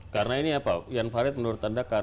karena ini apa enfired menurut anda